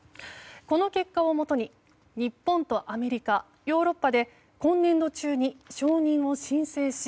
この結果をもとに日本とアメリカ、ヨーロッパで今年度中に承認を申請し